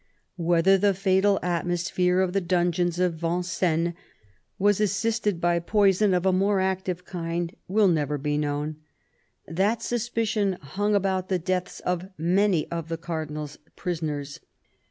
Whether the fatal atmosphere of the dungeons of Vincennes was assisted by poison of a more active kind, will never be known. That suspicion hung about the deaths of many of the Cardinal's prisoners.